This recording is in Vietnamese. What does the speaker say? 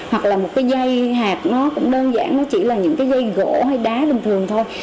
hoặc là một cái dây hạt nó cũng đơn giản nó chỉ là những cái dây gỗ hay đá bình thường thôi